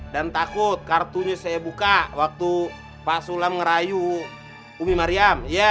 dan takut kartunya saya buka waktu pak sulam ngerayu umi maryam iya